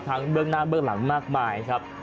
เบื้องหน้าเบื้องหลังมากมายครับ